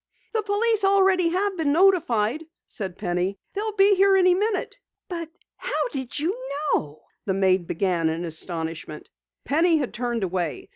"The police already have been notified," said Penny. "They'll be here any minute." "But how did you know ?" the maid began in astonishment. Penny had turned away.